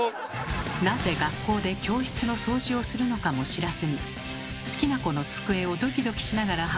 なぜ学校で教室の掃除をするのかも知らずに好きな子の机をドキドキしながら運んでいる君。